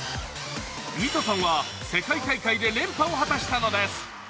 弥都さんは世界大会で連覇を果たしたのです。